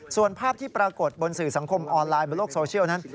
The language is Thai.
ส่วนภาพที่ปรากฏบนสื่อสังคมออนไลน์บนโลกโซเชียลนั้น